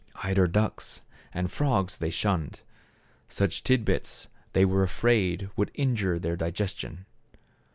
Eider ducks and frogs they shunned. Such tidbits they were afraid would injure their digestion.